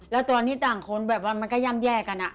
และตอนนี้ต่างคนว่ามันก็ยั่งแยกกันอะ